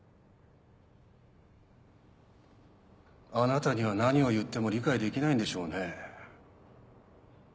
あなたには何を言っても理解できないんでしょうね。